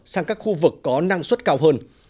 sang các khu vực có năng suất cao hơn